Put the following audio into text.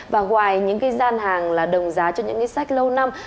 và ngoài những gian hàng đồng giá cho những sách lâu năm